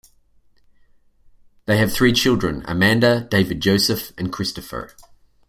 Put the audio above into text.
They have three children: Amanda, David Joseph, and Christopher.